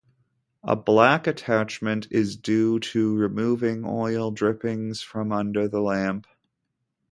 A black attachment is due to removing oil-drippings from under the lamp.